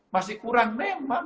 masih kurang memang